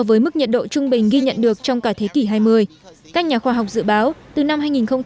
với mức nhiệt độ trung bình ghi nhận được trong cả thế kỷ hai mươi các nhà khoa học dự báo từ năm hai nghìn hai mươi